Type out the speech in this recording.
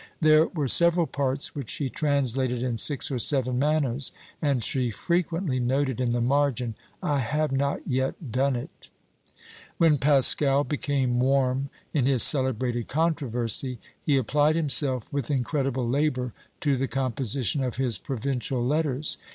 There were several parts which she translated in six or seven manners; and she frequently noted in the margin I have not yet done it. When Pascal became warm in his celebrated controversy, he applied himself with incredible labour to the composition of his "Provincial Letters."